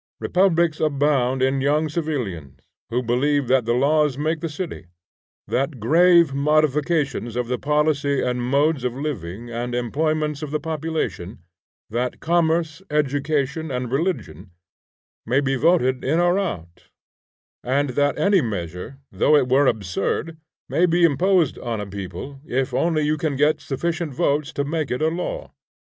Republics abound in young civilians, who believe that the laws make the city, that grave modifications of the policy and modes of living and employments of the population, that commerce, education, and religion, may be voted in or out; and that any measure, though it were absurd, may be imposed on a people if only you can get sufficient voices to make it a law.